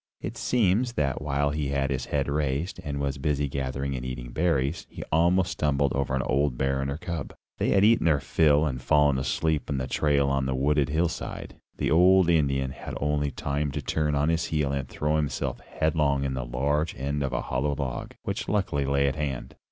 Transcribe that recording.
It seems that while he had his head raised, and was busy gathering and eating berries, he almost stumbled over an old bear and her cub. They had eaten their fill and fallen asleep in the trail on the wooded hillside. The old Indian had only time to turn on his heel and throw himself headlong in the large end of a hollow log, which luckily lay at hand.